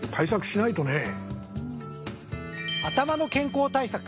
頭の健康対策